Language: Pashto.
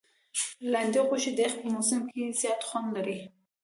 د لاندي غوښي د یخ په موسم کي زیات خوند لري.